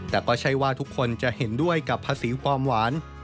แต่ก็ใช่ว่าทุกคนจะเห็นด้วยกับภาษีความหวาน